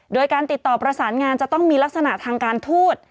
โดยการติดต่อประสานงานจะต้องมีลักษณะทางการทูต